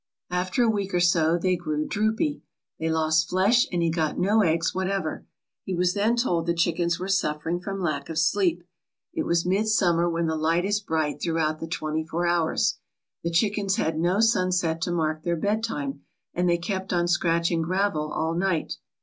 After a week or so they grew droopy. They lost flesh and he got no eggs whatever. He was then told the chickens were suffering from lack of sleep. It was midsummer when the light is bright throughout the twenty four hours. The chickens had no sunset to mark their bedtime, and they kept on scratching gravel all night.